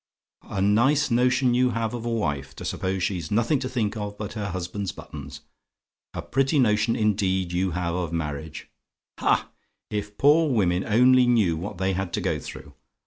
"A nice notion you have of a wife, to suppose she's nothing to think of but her husband's buttons. A pretty notion, indeed, you have of marriage. Ha! if poor women only knew what they had to go through.